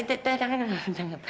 eh jangan jangan